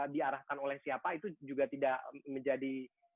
diarahkan oleh siapa itu juga tidak menjadi